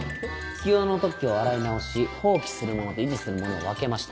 月夜野の特許を洗い直し放棄するものと維持するものを分けました。